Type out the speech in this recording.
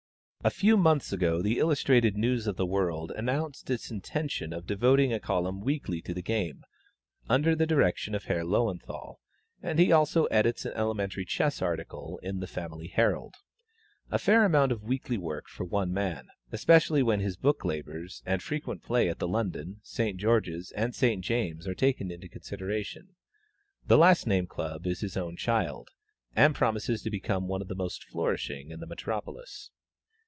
A few months ago, the Illustrated News of the World announced its intention of devoting a column weekly to the game, under the direction of Herr Löwenthal, and he also edits an elementary chess article in the Family Herald. A fair amount of weekly work for one man; especially when his book labors and frequent play at the London, St. George's, and St. James's are taken into consideration. The last named club is his own child, and promises to become one of the most flourishing in the metropolis.